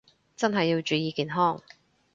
真係要注意健康